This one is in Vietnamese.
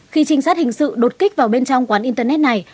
khi trinh sát hình sự đột kích vào bên trong quán internet này